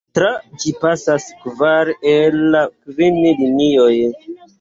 Tra ĝi pasas kvar el la kvin linioj.